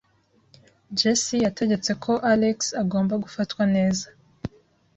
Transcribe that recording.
Jessie yategetse ko Alex agomba gufatwa neza.